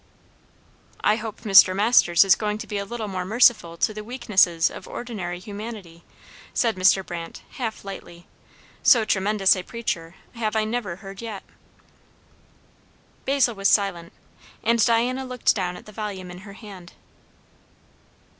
"I hope Mr. Masters is going to be a little more merciful to the weaknesses of ordinary humanity," said Mr. Brandt, half lightly. "So tremendous a preacher have I never heard yet." Basil was silent, and Diana looked down at the volume in her hand.